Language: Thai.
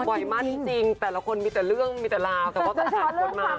บ่อยมากจริงแต่ละคนมีแต่เรื่องมีแต่ราวแต่ว่าก็ผ่านคนมา